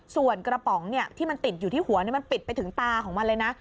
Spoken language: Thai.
ส่วนกระป๋องที่มันติดอยู่ที่หัวมันปิดไปถึงตาของมันเลยนะ